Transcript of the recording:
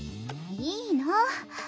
いいの。